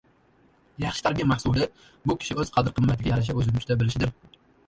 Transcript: Yaxshi tarbiya mahsuli — bu kishi o‘z qadr-qimmatiga yarasha o‘zini tuta bilishidir.